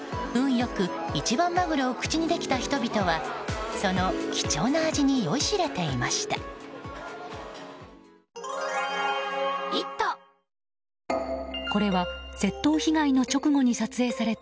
良く一番マグロを口にできた人々はその貴重な味に酔いしれていました。